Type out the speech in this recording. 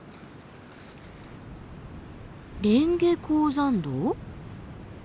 蓮華鉱山道？